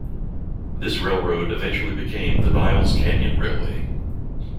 This railroad eventually became the Niles Canyon Railway.